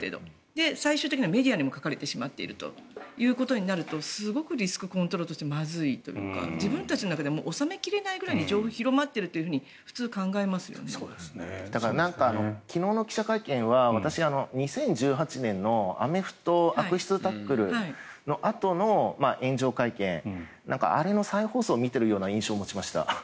最終的にはメディアにも書かれてしまっているということになるとすごくリスクコントロールとしてまずいというか自分たちの中で収め切れないくらいに情報が広まっていると昨日の記者会見は私、２０１８年のアメフト悪質タックルのあとの炎上会見、あれの再放送を見てるような印象を持ちました。